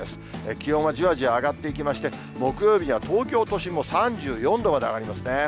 気温はじわじわ上がっていきまして、木曜日には東京都心も３４度まで上がりますね。